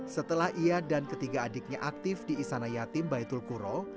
setelah ia dan ketiga adiknya aktif di istana yatim baitul kuro